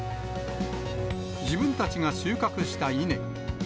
自分たちが収穫した稲。